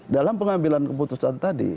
dalam pengambilan keputusan tadi